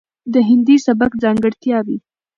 ،دهندي سبک ځانګړتياوې،